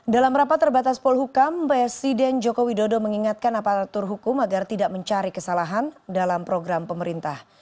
dalam rapat terbatas pol hukum presiden joko widodo mengingatkan apalagi atur hukum agar tidak mencari kesalahan dalam program pemerintah